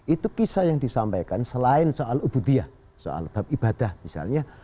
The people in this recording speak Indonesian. itu kisah yang disampaikan selain soal ubudiyah soal bab ibadah misalnya